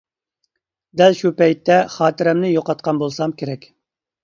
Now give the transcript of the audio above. دەل شۇ پەيتتە خاتىرەمنى يوقاتقان بولسام كېرەك.